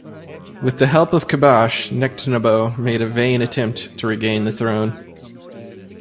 With the help of Khabash, Nectanebo made a vain attempt to regain the throne.